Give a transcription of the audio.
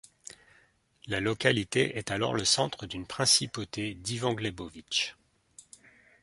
La localité est alors le centre d'une principauté d'Ivan Glebovytch.